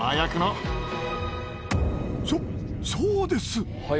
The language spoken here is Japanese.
そ、そうです。